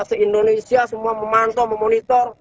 se indonesia semua memantau memonitor